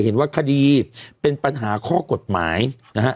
เห็นว่าคดีเป็นปัญหาข้อกฎหมายนะฮะ